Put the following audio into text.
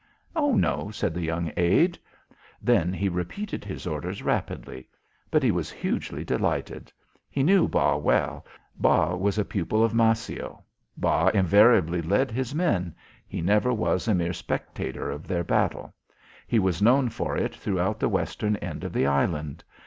"Oh, no," said the young aide. Then he repeated his orders rapidly. But he was hugely delighted. He knew Bas well; Bas was a pupil of Maceo; Bas invariably led his men; he never was a mere spectator of their battle; he was known for it throughout the western end of the island.